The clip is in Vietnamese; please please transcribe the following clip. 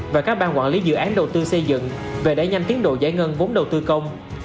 và các ban quản lý dự án đầu tư xây dựng về đẩy nhanh tiến độ giải ngân vốn đầu tư công